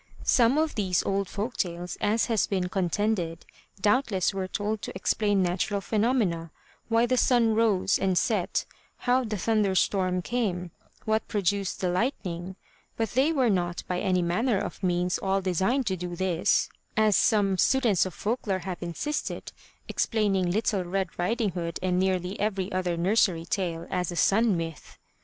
Some of these old folk tales, as has been contended, doubtless were told to explain natural phenomena, why the sun rose and set, how the thunder storm came, what produced the lightning, but they were not by any manner of means all designed to do this, as some students of folk lore have insisted, explaining Little Red Riding Hood and nearly every other nursery tale as a sun myth.